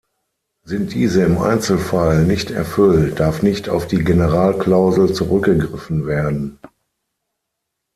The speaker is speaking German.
Sind diese im Einzelfall nicht erfüllt, darf nicht auf die Generalklausel zurückgegriffen werden.